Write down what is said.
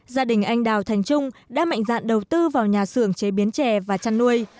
gia đình anh đào thành trung đã mạnh dạn đầu tư vào nhà xưởng chế biến chè và chăn nuôi